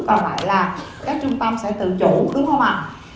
còn lại là các trung tâm sẽ tự chủ đúng không ạ